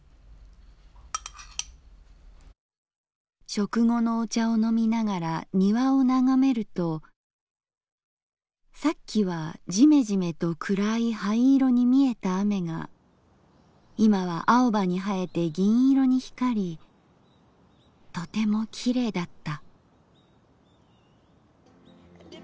「食後のお茶をのみながら庭を眺めるとさっきはジメジメと暗い灰色に見えた雨がいまは青葉に映えて銀色に光りとてもきれいだった」。